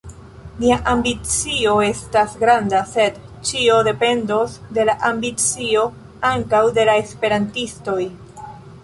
Nia ambicio estas granda, sed ĉio dependos de la ambicio ankaŭ de la esperantistoj.